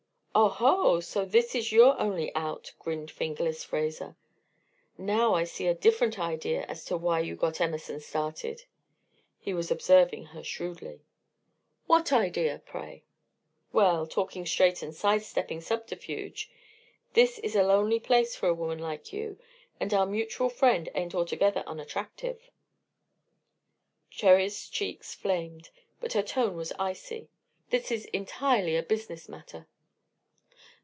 "Oho! So this is your only 'out,'" grinned "Fingerless" Fraser. "Now, I had a different idea as to why you got Emerson started." He was observing her shrewdly. "What idea, pray?" "Well, talking straight and side stepping subterfuge, this is a lonely place for a woman like you, and our mutual friend ain't altogether unattractive." Cherry's cheeks flamed, but her tone was icy. "This is entirely a business matter."